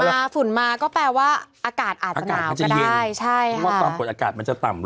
ฝุ่นมาฝุ่นมาก็แปลว่าอากาศอาจจะหนาวก็ได้อากาศก็จะเย็นใช่ค่ะเพราะว่าต้องกดอากาศมันจะต่ำลง